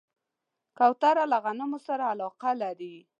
کوتره له غنمو سره علاقه لري.